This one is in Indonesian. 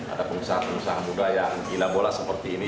ada pengusaha pengusaha muda yang gila bola seperti ini